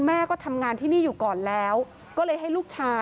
พ่อแม่มาเห็นสภาพศพของลูกร้องไห้กันครับขาดใจ